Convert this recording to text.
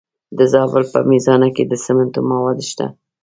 د زابل په میزانه کې د سمنټو مواد شته.